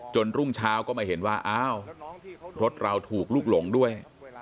รุ่งเช้าก็มาเห็นว่าอ้าวรถเราถูกลุกหลงด้วย